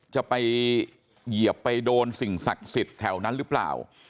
จะไปเหยียบไปโดนสิ่งศักดิ์สิทธิ์แถวนั้นหรือเปล่า